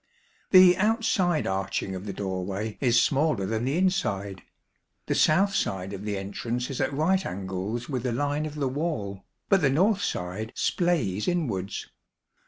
The outside arching of the doorway is smaller than the inside. The south side of the entrance is at right angles with the line of the wall, but the north side splays inwards.